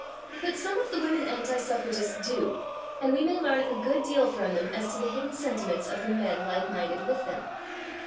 But some of the women anti suffragists do, and we may learn a good deal from them as to the hidden sentiments of the men like minded with them.